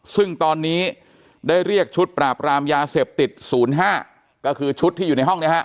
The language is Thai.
ซึ่งตอนนี้ได้เรียกชุดปราบรามยาเสพติด๐๕ก็คือชุดที่อยู่ในห้องเนี่ยฮะ